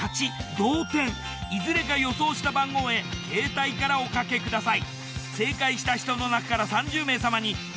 同点いずれか予想した番号へケータイからおかけください。